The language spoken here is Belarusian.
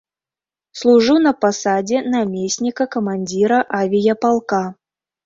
Служыў на пасадзе намесніка камандзіра авіяпалка.